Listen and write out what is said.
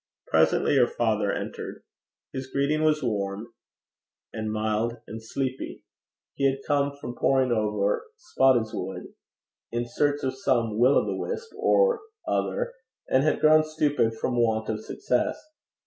Presently her father entered. His greeting was warm and mild and sleepy. He had come from poring over Spotiswood, in search of some Will o' the wisp or other, and had grown stupid from want of success.